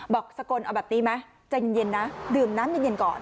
สกลเอาแบบนี้ไหมใจเย็นนะดื่มน้ำเย็นก่อน